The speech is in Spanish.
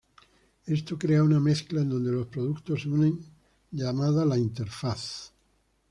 Esto crea una mezcla en donde los productos se unen llamada la "interfaz".